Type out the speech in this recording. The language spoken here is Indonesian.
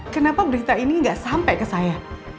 kenapa berita ini gak sampai ke saya